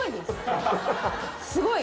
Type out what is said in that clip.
すごい。